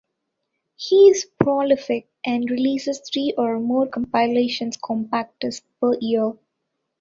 He is prolific, and releases three or more compilation compact discs per year.